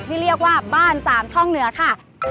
ที่เรียกว่าบ้านสามช่องเหนือค่ะ